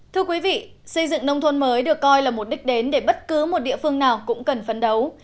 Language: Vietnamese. thưa quý vị xây dựng nông thôn mới được coi là mục đích đến để bất cứ một địa phương nào cũng cần phấn đấu